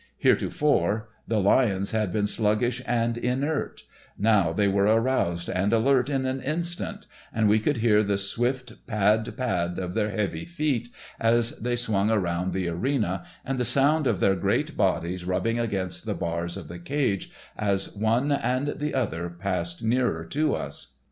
Heretofore, the lions had been sluggish and inert; now they were aroused and alert in an instant, and we could hear the swift pad pad of their heavy feet as they swung around the arena and the sound of their great bodies rubbing against the bars of the cage as one and the other passed nearer to us.